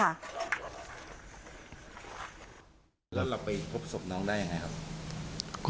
แล้วเราไปพบศพน้องได้ยังไงครับ